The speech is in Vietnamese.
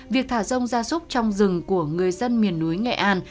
việc thả rông gia súc trong rừng của người dân miền núi nghệ an